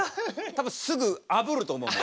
多分すぐあぶると思う。